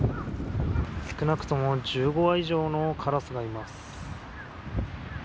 少なくとも１５羽以上のカラスがいます。